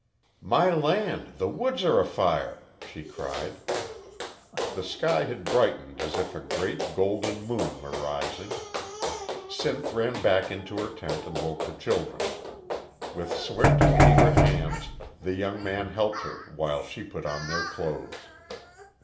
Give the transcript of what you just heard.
"My land, the woods are afire!" she cried. The sky had brightened as if a great, golden moon were rising. Sinth ran back into her tent and woke the children. With swift and eager hands the young man helped her while she put on their clothes.